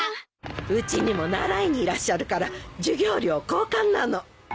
うちにも習いにいらっしゃるから授業料交換なの。